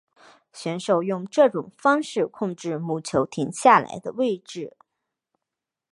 选手用这种方式控制母球停下来的位置。